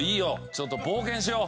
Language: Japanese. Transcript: ちょっと冒険しよう。